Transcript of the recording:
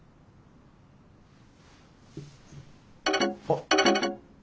あっ。